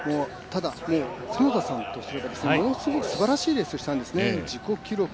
ただ、園田選手とすればものすごく、すばらしいレースをしたんですね、自己記録。